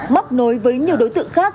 mắc nối với nhiều đối tượng khác